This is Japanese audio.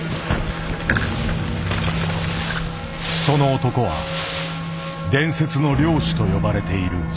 その男は伝説の猟師と呼ばれている。